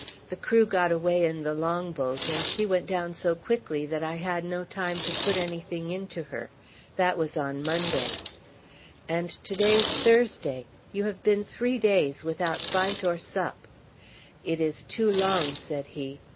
The crew got away in the long boat, and she went down so quickly that I had no time to put anything into her. That was on Monday." "And to day's Thursday. You have been three days without bite or sup." "It is too long," said he.